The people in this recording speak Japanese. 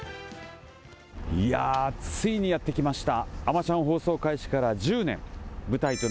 いやー、ついにやって来ました。